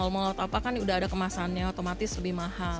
kalau di mall mall atau apa kan udah ada kemasannya otomatis lebih mahal